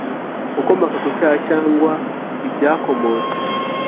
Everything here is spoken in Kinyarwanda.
ukomoka ku cyaha cyangwa ibyakomotse